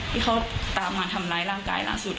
ที่เขาตามมาทำร้ายร่างกายล่าสุด